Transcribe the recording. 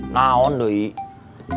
nah on teh